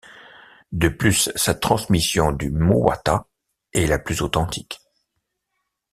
De plus, sa transmission du Muwattâ est la plus authentique.